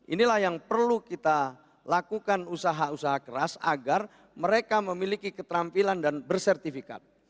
inilah yang perlu kita lakukan usaha usaha keras agar mereka memiliki keterampilan dan bersertifikat